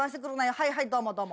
はいはいどうもどうも。